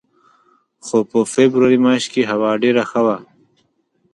خو په فبروري میاشت کې هوا ډېره ښه وه.